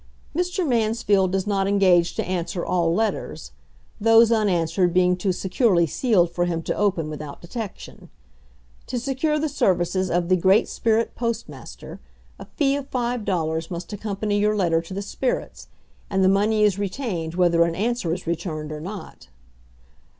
Mr. Mansfield does not engage to answer all letters; those unanswered being too securely sealed for him to open without detection. To secure the services of the "Great Spirit Postmaster," a fee of five dollars must accompany your letter to the spirits; and the money is retained whether an answer is returned or not.